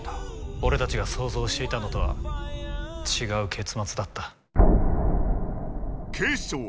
俺たちが想像していたのとは違う結末だった。